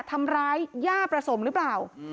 ทำร้ายย่าประสมหรือเปล่า